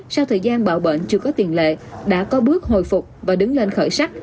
những bạo bệnh chưa có tiền lệ đã có bước hồi phục và đứng lên khởi sắc